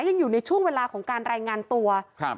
ยังอยู่ในช่วงเวลาของการรายงานตัวครับ